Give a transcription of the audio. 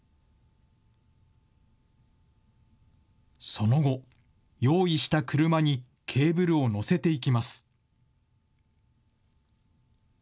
その後、用意した車にケーブルを乗せていきます。